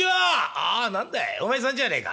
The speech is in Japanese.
「ああ何だいお前さんじゃねえか。